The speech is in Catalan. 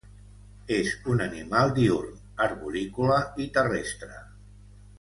És un animal diürn arborícola i terrestre.